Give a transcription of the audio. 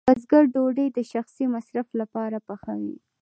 بزګر ډوډۍ د شخصي مصرف لپاره پخوي.